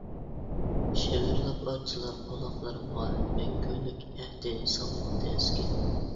شىۋىرلاپ ئارچىلار قۇلاقلىرىمغا، مەڭگۈلۈك ئەھدىنى سالماقتا ئەسكە.